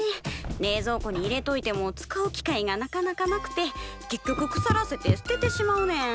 冷蔵庫に入れといても使う機会がなかなかなくて結局くさらせて捨ててしまうねん。